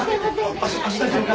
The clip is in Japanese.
足足大丈夫か？